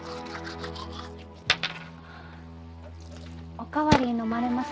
お代わり飲まれます？